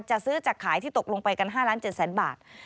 จะซื้อจากขายที่ตกลงไปกัน๕๗๐๐๐บาท